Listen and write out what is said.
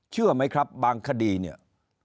เชื่อไหมครับบางคดีเนี่ย